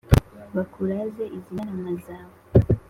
Bakuraze izi ntarama zawe